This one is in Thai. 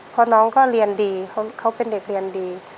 เพราะน้องก็เรียนดีเขาเป็นเด็กเรียนดี